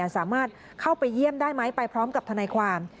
สามารถเข้าไปเยี่ยมได้ไหมไปพร้อมกับทนายความ